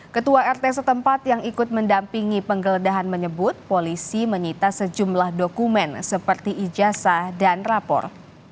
ketua rt setempat yang ikut mendampingi penggeledahan menyebut polisi menyita sejumlah dokumen seperti ijasa dan rapor